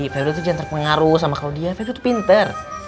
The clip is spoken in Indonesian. febri tuh jangan terpengaruh sama claudia febri tuh pinter